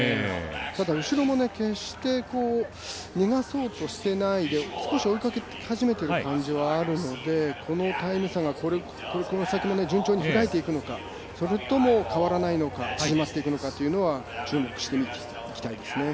ただ後ろも決して逃がそうとしていないで少し追いかけ始めている感じはあるのでこのタイム差がこの先も順調に開いていくのかそれとも、変わらないのか縮まっていくのかというのは注目して見ていきたいですね。